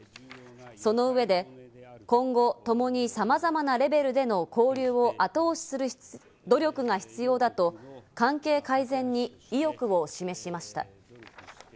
その上で今後、ともにさまざまなレベルでの交流を後押しする努力が必要だと関係改善に意欲を示しました。